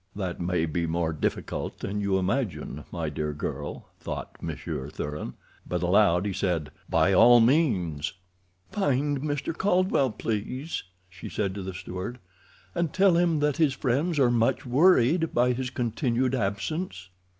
"That may be more difficult than you imagine, my dear girl," thought Monsieur Thuran, but aloud he said: "By all means." "Find Mr. Caldwell, please," she said to the steward, "and tell him that his friends are much worried by his continued absence."